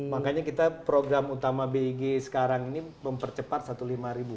makanya kita program utama beg sekarang ini mempercepat satu ratus lima puluh ribu